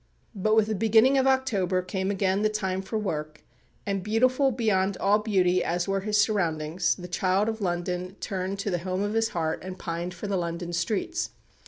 But with the beginning of October came again the time for work; and beautiful beyond all beauty as were his surroundings, the child of London turned to the home of his heart, and pined for the London streets.